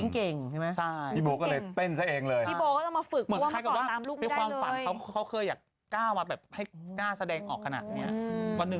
คิวเขา๕ทุ่ม๔๕